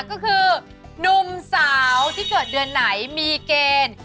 ก็คือนุ่มสาวที่เกิดเดือนไหนมีเกณฑ์